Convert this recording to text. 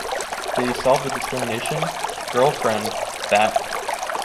did he solve the discrimination? girl friend - that